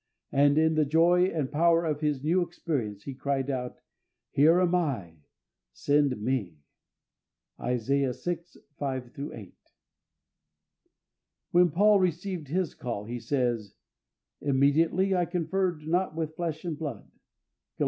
And in the joy and power of his new experience, he cried out, "Here am I; send me!" (Isaiah vi. 5 8). When Paul received his call, he says, "Immediately I conferred not with flesh and blood" (Gal.